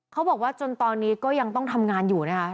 เขาบอกว่าจนตอนนี้ก็ยังต้องทำงานอยู่นะคะ